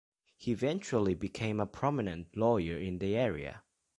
He eventually became a prominent lawyer in the area.